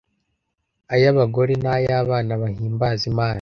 ay'abagore n'ay'abana bahimbaza Imana,